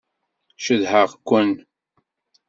Cedhaɣ-ken.